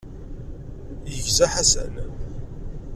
Yegza Ḥasan.